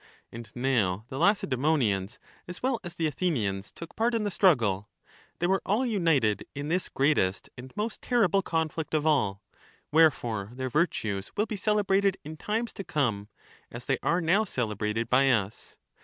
And now the Lacedaemonians as well as the Athenians took part in the struggle ; they were all united in this greatest and most terrible conflict of all ; wherefore their virtues will be celebrated in times to come, as they are now celebrated by us.